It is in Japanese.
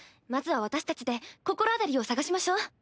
まずは私たちで心当たりを捜しましょう。